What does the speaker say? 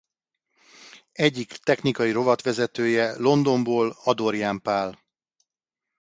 Egyik technikai rovatvezetője Londonból Adorján Pál.